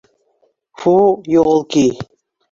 Фу, ёлки!